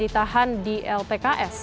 ditahan di lpk s